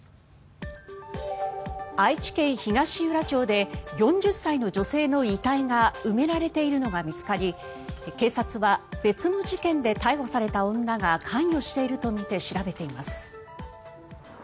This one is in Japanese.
愛知県東浦町で４０歳の女性の遺体が埋められているのが見つかり警察は別の事件で逮捕された女が関与しているとみて調べています。